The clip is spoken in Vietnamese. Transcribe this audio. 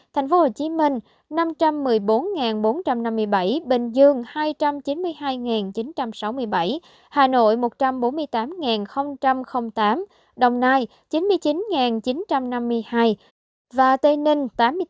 tp hcm năm trăm một mươi bốn bốn trăm năm mươi bảy bình dương hai trăm chín mươi hai chín trăm sáu mươi bảy hà nội một trăm bốn mươi tám tám đồng nai chín mươi chín chín trăm năm mươi hai tây ninh tám mươi tám năm trăm hai mươi